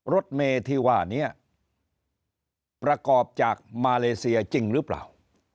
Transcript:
รถเมที่ว่านี้ประกอบจากมาเลเซียจริงหรือเปล่า